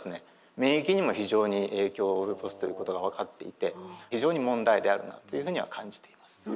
免疫にも非常に影響を及ぼすということが分かっていて非常に問題であるなというふうには感じています。